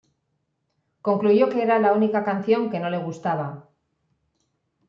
Concluyó que era la única canción que no le gustaba.